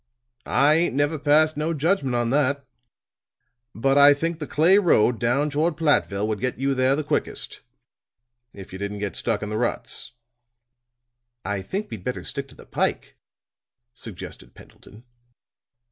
"I ain't never passed no judgment on that; but I think the clay road down toward Plattville would get you there the quickest if you didn't get stuck in the ruts." "I think we'd better stick to the pike," suggested Pendleton.